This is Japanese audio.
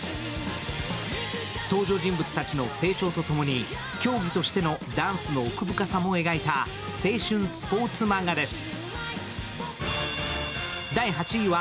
登場人物たちの成長とともに競技としてのダンスの奥深さも描いた青春スポーツマンガです。